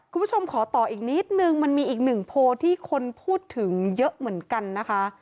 คุณผู้ชมขอต่ออีกนิดนึงมันมีอีกหนึ่งโพลที่คนพูดถึงเยอะเหมือนกันนะคะ